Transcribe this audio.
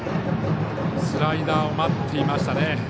スライダーを待っていましたね。